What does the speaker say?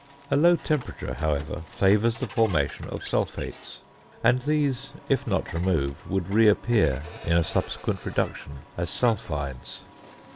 A low temperature, however, favours the formation of sulphates; and these (if not removed) would reappear in a subsequent reduction as sulphides.